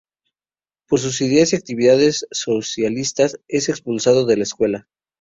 Por sus ideas y actividades socialistas es expulsado de la escuela.